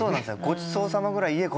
「ごちそうさま」ぐらい言え！